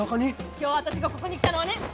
今日私がここに来たのはね！